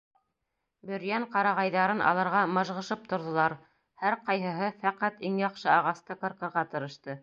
Бөрйән ҡарағайҙарын алырға мыжғышып торҙолар, һәр ҡайһыһы фәҡәт иң яҡшы ағасты ҡырҡырға тырышты.